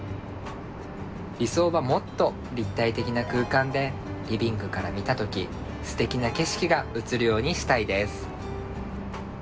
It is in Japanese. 理想はもっと立体的な空間でリビングから見た時すてきな景色が映るようにしたいです。